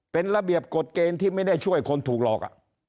เป็นระเบียบกฎเกณฑ์ที่ไม่ได้ช่วยคนถูกหลอก